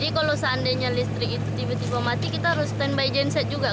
jadi kalau seandainya listrik itu tiba tiba mati kita harus standby genset juga